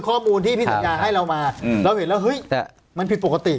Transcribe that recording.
ข้อมูลที่พี่สัญญาให้เรามาเราเห็นแล้วเฮ้ยมันผิดปกติ